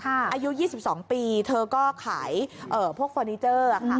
อายุ๒๒ปีเธอก็ขายพวกฟอนิเจอร์